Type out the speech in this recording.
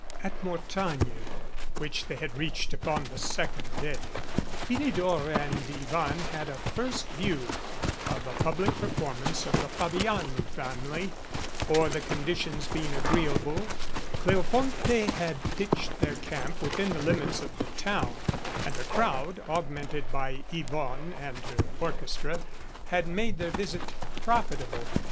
At Mortagne, which they had reached upon the sec ond day, Philidor and Yvonne had a first view of a public performance of the Fabiani family, for, the conditions 196 MOUNTEBANKS being agreeable, Cleofonte had pitched their camp within the limits of the town, and a crowd, augmented by Yvonne and her orchestra, had made their visit profitable.